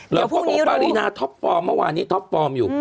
แล้วก็บอกว่าปารีนาท็อปฟอร์มเมื่อวานนี้ท็อปฟอร์มอยู่